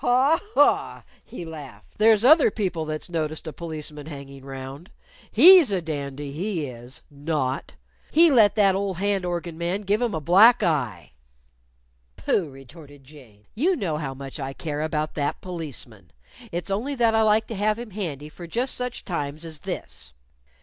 "Haw! Haw!" he laughed. "There's other people that's noticed a policeman hangin' round. He's a dandy, he is! not. He let that old hand organ man give him a black eye." "Pooh!" retorted Jane. "You know how much I care about that policeman! It's only that I like to have him handy for just such times as this."